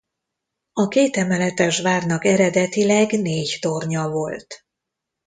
A kétemeletes várnak eredetileg négy tornya volt.